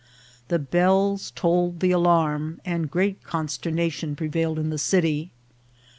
The bells tolled the alarm, and great con sternation prevailed in the city.